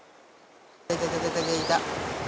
いたいたいたいた。